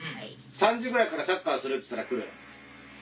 ３時ぐらいからサッカーするっつったら来る？